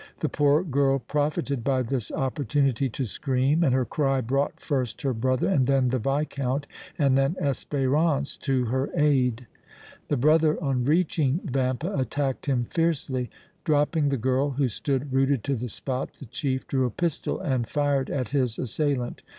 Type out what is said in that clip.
The poor girl profited by this opportunity to scream and her cry brought first her brother, then the Viscount and then Espérance to her aid. "The brother on reaching Vampa attacked him fiercely. Dropping the girl, who stood rooted to the spot, the chief drew a pistol and fired at his assailant.